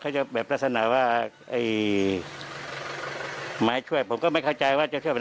เขาจะแบบลักษณะว่าไอมาให้ช่วยผมก็ไม่เข้าใจว่าจะช่วย